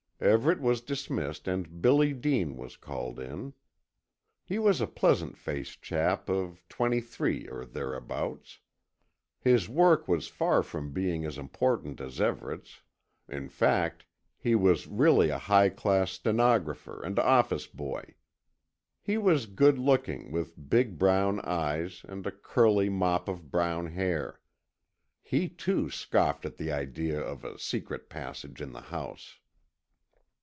Everett was dismissed and Billy Dean was called in. He was a pleasant faced chap of twenty three or thereabouts. His work was far from being as important as Everett's. In fact he was really a high class stenographer and office boy. He was good looking with big brown eyes and a curly mop of brown hair. He too, scoffed at the idea of a secret passage in the house.